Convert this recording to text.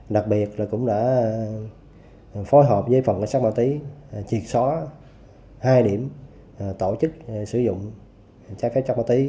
đặc biệt là cũng đã phối hợp với phòng cảnh sát ma túy triệt xóa hai điểm tổ chức sử dụng trái phép chất ma túy